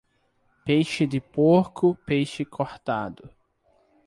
Peixe de porco, peixe cortado.